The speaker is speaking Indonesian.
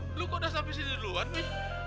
mi lu kok udah sampai sini duluan mi